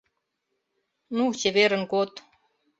Ну, чеверын код!